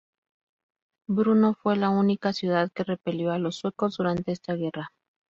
Brno fue la única ciudad que repelió a los suecos durante esta guerra.